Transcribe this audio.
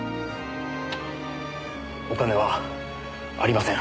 お金はありません。